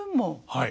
はい。